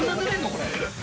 これ。